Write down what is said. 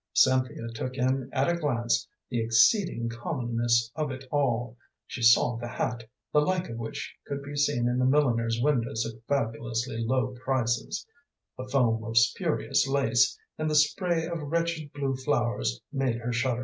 Cynthia took in at a glance the exceeding commonness of it all; she saw the hat, the like of which could be seen in the milliners' windows at fabulously low prices; the foam of spurious lace and the spray of wretched blue flowers made her shudder.